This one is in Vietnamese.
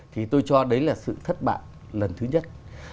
thì tôi cho đấy là sự thất bại lần thứ nhất